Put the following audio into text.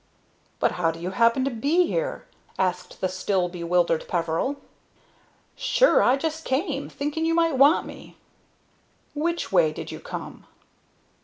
"But how do you happen to be here?" asked the still bewildered Peveril. "Sure I just came, thinking you might want me." "Which way did you come?"